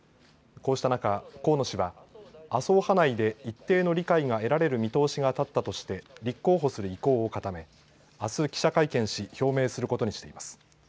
こうした中、河野氏は麻生派内で一定の理解が得られる見通しが立ったとして立候補する意向を固めあす記者会見し表明することにしています。